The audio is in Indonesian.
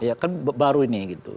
ya kan baru ini gitu